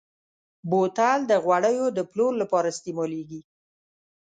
بوتل د غوړیو د پلور لپاره استعمالېږي.